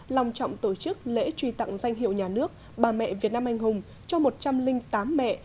lòng trọng tổ chức lễ truy tặng danh hiệu nhà nước bà mẹ việt nam anh hùng cho một trăm linh tám mẹ